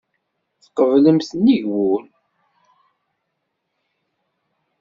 Tqeblemt nnig wul.